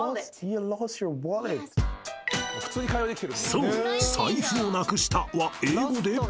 ［そう財布をなくしたは英語で］